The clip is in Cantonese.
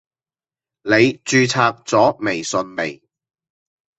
你註冊咗微信未？